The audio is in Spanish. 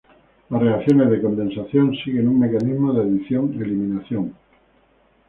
Las reacciones de condensación siguen un mecanismo de adición-eliminación.